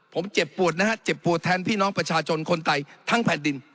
ผมเจ็บปวดนะฮะเจ็บปวดแทนพี่น้องประชาชนคนไทยทั้งแผ่นดิน